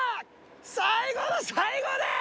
最後の最後で！